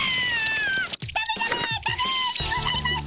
ダメにございます！